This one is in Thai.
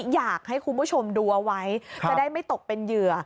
อยากให้คุณผู้ชมดูเอาไว้จะได้ไม่ตกเป็นเหยื่อ